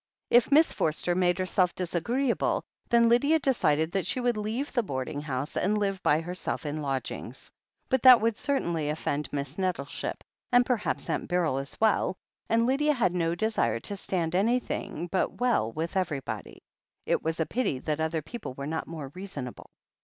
If Miss Forster made herself disagreeable, then Lydia decided that she would leave the boarding house and live by herself in lodgings. But that would cer tainly offend Miss Nettleship, and perhaps Aunt Beryl as well, and Lydia had no desire to stand anything but well with everybody. It was a pity that other people were not more reasonable.